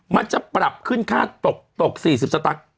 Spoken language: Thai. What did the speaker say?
มันจะปรับขึ้นค่าตก๔๐สตั๊ก